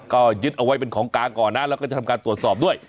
ก็ยึดเอาไว้เป็นของกลางก่อนนะแล้วก็จะทำการตรวจสอบด้วย